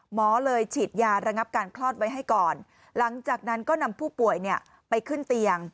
หมอเลยฉีดยาระงับการคลอดไว้ให้ก่อนหลังจากนั้นก็นำผู้ป่วยไปขึ้นเตียง